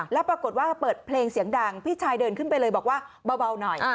แล้วปรากฏว่าเปิดเพลงเสียงดังพี่ชายเดินขึ้นไปเลยบอกว่าเบาหน่อย